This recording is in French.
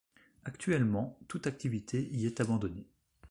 Actuellement toute activité y est abandonnée.